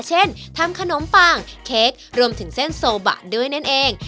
เช่นทำขนมปังเค้กรวมถึงเส้นโซบะด้วยนั่นเอง